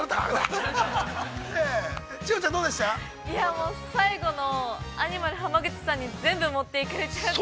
もう最後のアニマル浜口さんに全部持っていかれちゃって。